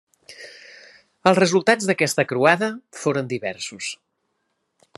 Els resultats d'aquesta croada foren diversos.